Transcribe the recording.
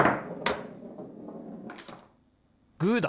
グーだ！